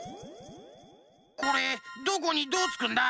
これどこにどうつくんだ？